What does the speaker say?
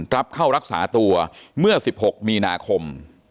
รับเข้ารักษาตัวเมื่อ๑๖มีนาคม